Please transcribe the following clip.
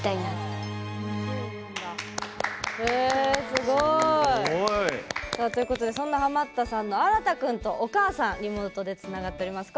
すごい。ということでそんなハマったさんのあらたくんとお母さん、リモートでつながっています。